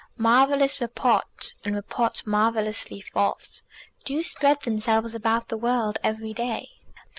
Marvellous reports, and reports marvellously false, do spread themselves about the world every day.